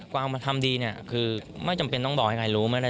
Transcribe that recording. ความทำดีคือไม่จำเป็นต้องบอกให้ใครรู้